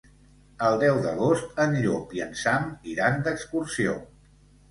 El deu d'agost en Llop i en Sam iran d'excursió.